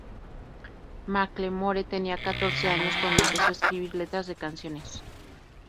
Macklemore tenía catorce años cuando empezó a escribir letras de canciones.